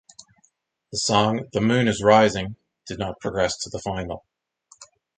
The song "The Moon is Rising" did not progress to the final.